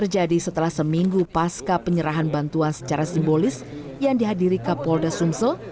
jadi setelah seminggu pasca penyerahan bantuan secara simbolis yang dihadiri ke polda sumsel